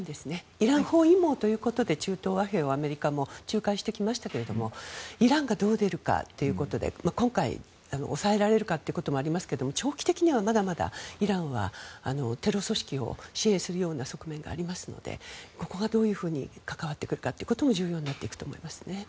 イラン包囲網ということで中東和平はアメリカも仲介してきましたがイランがどう出るかということで今回、押さえられるかということもありますけど長期的にはまだまだイランはテロ組織を支援するような側面がありますのでここがどういうふうに関わってくるかも重要になっていくと思います。